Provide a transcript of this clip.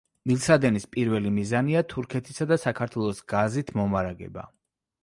მილსადენის პირველი მიზანია თურქეთისა და საქართველოს გაზით მომარაგება.